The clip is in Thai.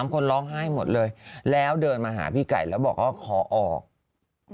คนร้องไห้หมดเลยแล้วเดินมาหาพี่ไก่แล้วบอกว่าขอออก